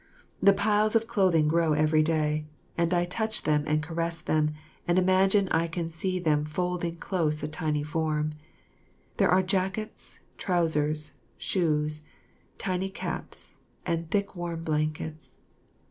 The piles of clothing grow each day, and I touch them and caress them and imagine I can see them folding close a tiny form. There are jackets, trousers, shoes, tiny caps and thick warm blankets.